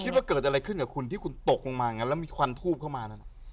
คุณคิดว่าเกิดอะไรขึ้นกับคุณที่คุณตกลงมาแล้วมีควันทูบเข้ามานั่น